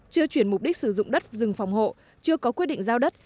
chưa chuyển mục đích sử dụng đất rừng phòng hộ chưa có quyết định giao đất